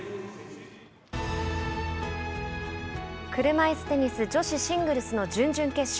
車いすテニス女子シングルスの準々決勝。